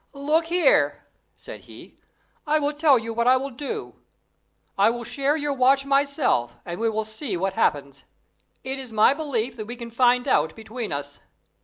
"Look here," said he, "I will tell you what I will do. I will share your watch myself, and we will see what happens. It is my belief that we can find out between us.